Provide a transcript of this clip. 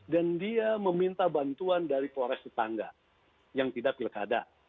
dan dia meminta bantuan dari polres tetangga yang tidak pilkada